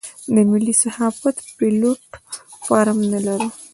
د ملي صحافت پلیټ فارم نه لرو.